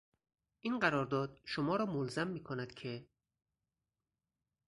این قرارداد شما را ملزم میکند که...